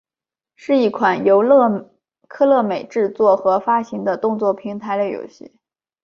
是一款由科乐美制作和发行的动作平台类游戏。